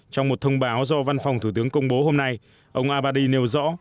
trong một thông báo do văn phòng thủ tướng công bố hôm nay ông abbadi nêu rõ